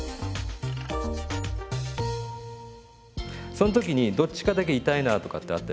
その時にどっちかだけ痛いなとかってあったりしますか？